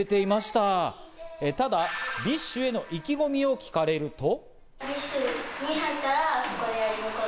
ただ、ＢｉＳＨへの意気込みを聞かれると。